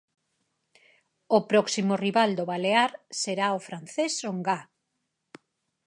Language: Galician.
O próximo rival do balear será o francés Songá.